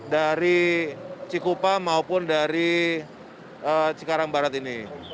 dari cikupa maupun dari cikarang barat ini